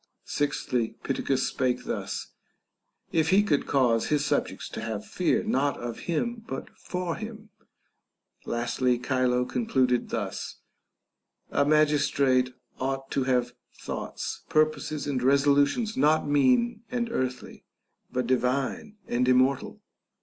Sixthly, Pittacus spake thus, If he could cause his subjects to have fear not of him but for him. Lastly, Chilo concluded thus, A magistrate ought to have thoughts, purposes, and resolutions not mean and earthly, but divine and immortal.